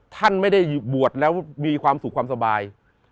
ท่านไม่ได้บวชแล้วมีความสุขความสบาย